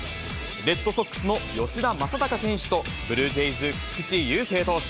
レッドソックスの吉田正尚選手と、ブルージェイズ、菊池雄星投手。